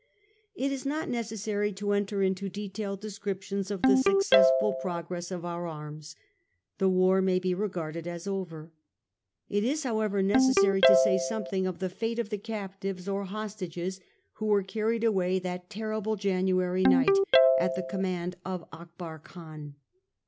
It is not necessary to enter into detailed descrip tions of the successful progress of our arms. The war may be regarded as over. It is, however, neces sary to say something of the fate of the captives, or hostages, who were hurried away that terrible January night at the command of Akbar Khan.